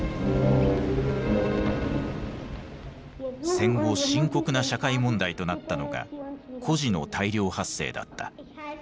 戦後深刻な社会問題となったのが孤児の大量発生だった。